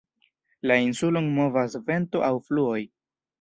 La insulon movas vento aŭ fluoj.